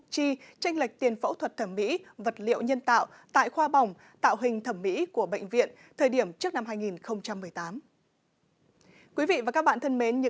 chi tranh lệch tiền phẫu thuật thẩm mỹ vật liệu nhân tạo tại khoa bỏng tạo hình thẩm mỹ của bệnh viện